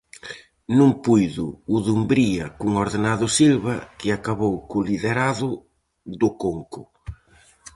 Non puido o Dumbría cun ordenado Silva, que acabou co liderado do Conco.